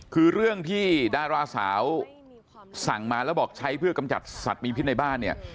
คือเรื่องที่ดาราสาวสั่งมาแล้วบอกใช้เพื่อกำจัดสัตว์มีพิษในบ้านเนี่ย